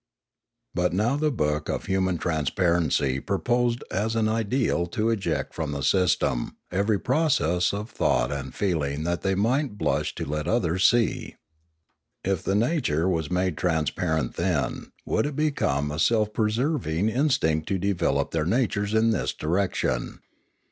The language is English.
But now the book of Human Transparency proposed as an ideal to eject from the system every process of thought and feeling that they might blush to let others see. If the nature was made transparent then would it become a self preserving instinct to develop their natures in this direction.